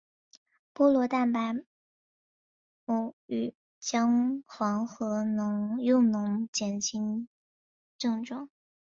菠萝蛋白酶与姜黄合用能减轻症状。